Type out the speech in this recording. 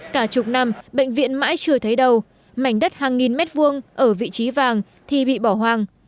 cả chục năm bệnh viện mãi chưa thấy đầu mảnh đất hàng nghìn mét vuông ở vị trí vàng thì bị bỏ hoang